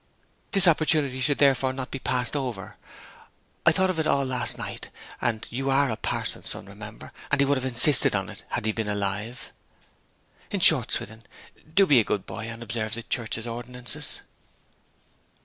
This opportunity should therefore not be passed over. I thought of it all last night; and you are a parson's son, remember, and he would have insisted on it if he had been alive. In short, Swithin, do be a good boy, and observe the Church's ordinances.'